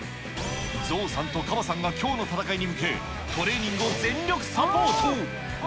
ぞうさんとかばさんがきょうの戦いに向け、トレーニングを全力サポート。